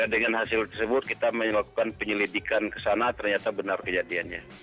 dengan hasil tersebut kita melakukan penyelidikan ke sana ternyata benar kejadiannya